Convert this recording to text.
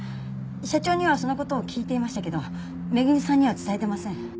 社長にはその事を聞いていましたけど恵さんには伝えてません。